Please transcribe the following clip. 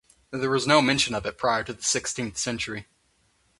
There was no mention of it prior to the sixteenth century.